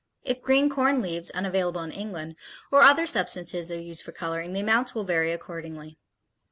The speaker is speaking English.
If green corn leaves (unavailable in England) or other substances are used for coloring, the amounts will vary accordingly.